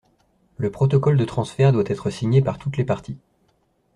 Le protocole de transfert doit être signé par toutes les parties.